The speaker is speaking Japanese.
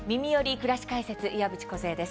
くらし解説」岩渕梢です。